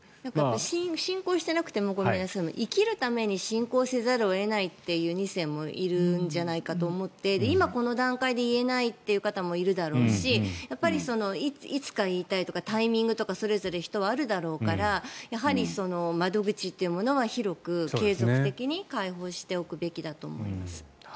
信仰していなくても生きるために信仰せざるを得ないという２世もいるんじゃないかと思って今、この段階で言えないという方もいるだろうしいつか言いたいとかタイミングとかそれぞれ人はあるだろうからやはり窓口というのものは広く、継続的に開放しておくべきだと思います。